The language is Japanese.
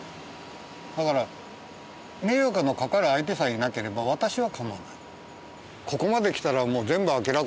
だから迷惑の掛かる相手さえいなければ私は構わない。